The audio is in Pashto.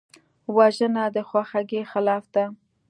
وژنه د خواخوږۍ خلاف ده